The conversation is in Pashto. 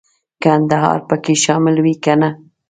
کندهار به پکې شامل وي کنه.